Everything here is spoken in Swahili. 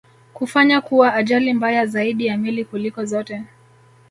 kufanya kuwa ajali mbaya zaidi ya meli kuliko zote